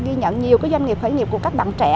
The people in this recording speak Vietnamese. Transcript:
ghi nhận nhiều doanh nghiệp khởi nghiệp của các bạn trẻ